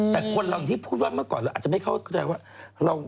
แต่คนเราที่พูดว่าเมื่อก่อนเราอาจจะไม่เข้าใจว่า